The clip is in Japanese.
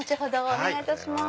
お願いいたします。